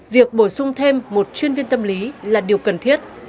việc bổ sung thêm một chuyên viên tâm lý là điều cần thiết